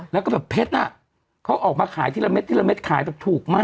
แล้วก็แบบเพชรน่ะเขาออกมาขายทีละเม็ดทีละเม็ดขายแบบถูกมาก